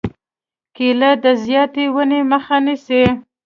کېله د زیاتې وینې مخه نیسي.